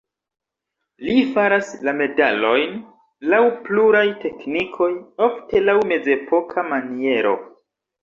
Li faras la medalojn laŭ pluraj teknikoj, ofte laŭ mezepoka maniero.